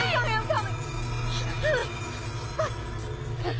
あっ。